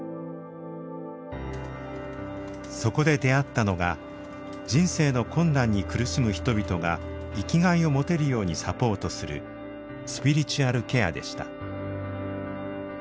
そこで出会ったのが人生の困難に苦しむ人々が生きがいを持てるようにサポートするスピリチュアルケアでした。